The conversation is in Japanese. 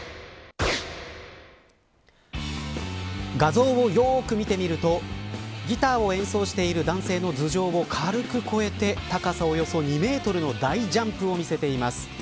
画像をよく見てみるとギターを演奏している男性の頭上を軽く越えて高さおよそ２メートルの大ジャンプを見せています。